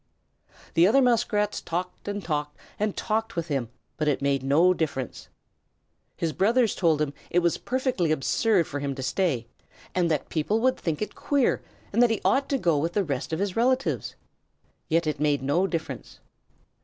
The other Muskrats talked and talked and talked with him, but it made no difference. His brothers told him it was perfectly absurd for him to stay, that people would think it queer, and that he ought to go with the rest of his relatives. Yet it made no difference.